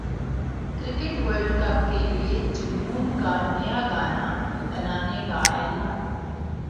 cricket world cup کے لیے جنون کا نیا گانا بنانے کا اعلان